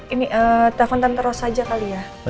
ini telfon tante rose aja kali ya